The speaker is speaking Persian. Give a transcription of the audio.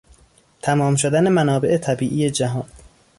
تمام شدن منابع طبیعی جهان